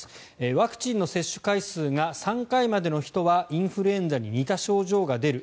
ワクチンの接種回数が３回までの人はインフルエンザに似た症状が出る。